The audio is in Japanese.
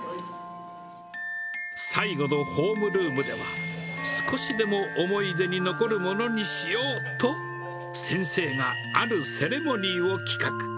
最後のホームルームでは、少しでも思い出に残るものにしようと、先生があるセレモニーを企画。